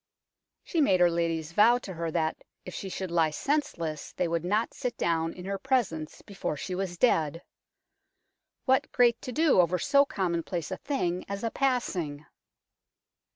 She made her ladies vow to her that, if she should lie senseless, they would not sit down in her presence before she was dead. What great to do over so commonplace a thing as a passing